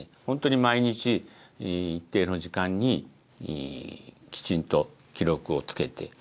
ホントに毎日一定の時間にきちんと記録をつけて。